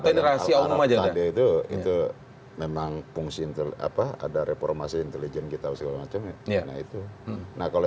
terakhir aja itu itu memang fungsinya apa ada reformasi intelijen kita usulnya itu nah kalau